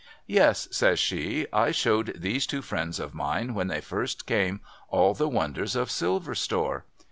' Yes,' says she, ' I showed these two friends of mine when they first came, all the wonders of Silver Store.'